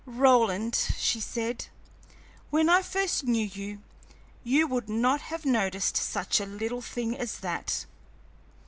"Roland," she said, "when I first knew you, you would not have noticed such a little thing as that."